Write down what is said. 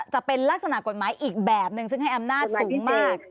จะเป็นลักษณะกฎหมายอีกแบบนึงซึ่งให้อำนาจสูงมาก